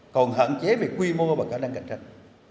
còn hạn chế về quy mô và khả năng cạnh tranh